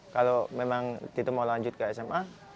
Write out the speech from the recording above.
kalau memang tito mau lanjut ke sma